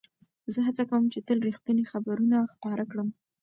زه هڅه کوم چې تل رښتیني خبرونه خپاره کړم.